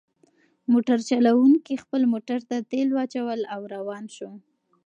موټر چلونکي خپل موټر ته تیل واچول او روان شو.